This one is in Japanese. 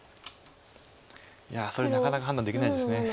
いやそれなかなか判断できないです。